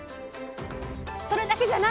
それだけじゃない！